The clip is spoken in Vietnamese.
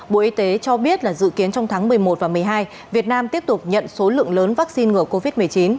bộ y tế cho biết là dự kiến trong tháng một mươi một và một mươi hai việt nam tiếp tục nhận số lượng lớn vaccine ngừa covid một mươi chín